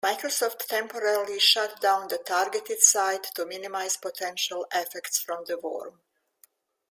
Microsoft temporarily shut down the targeted site to minimize potential effects from the worm.